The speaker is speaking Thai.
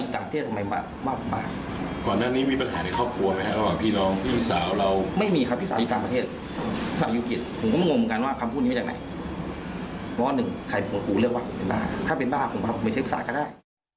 ถ้าเป็นบ้านหาของคุณครับคุณไปเช็คษากันได้